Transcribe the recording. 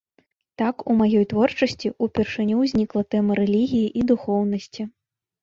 Так у маёй творчасці ўпершыню ўзнікла тэма рэлігіі і духоўнасці.